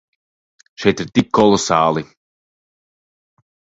Šeit ir tik kolosāli.